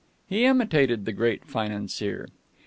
He imitated the great financier.